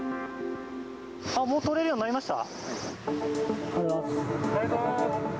もう通れるようになりました？